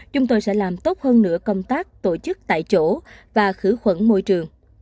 chúng tôi sẽ làm tốt hơn nữa công tác tổ chức tại chỗ và khử khuẩn môi trường